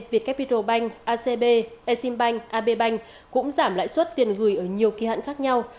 việt capital banh acb exim banh ab banh cũng giảm lãi suất tiền gửi ở nhiều kỳ hạn khác nhau